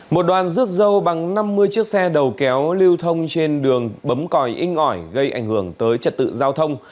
một đoàn rước dâu bằng năm mươi chiếc xe đầu kéo lưu thông trên đường bấm còi inh ỏi gây ảnh hưởng tới trật tự giao thông